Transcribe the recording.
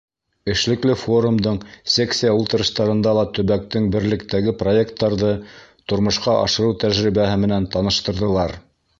Эшлекле форумдың секция ултырыштарында ла төбәктең берлектәге проекттарҙы тормошҡа ашырыу тәжрибәһе менән таныштырҙылар.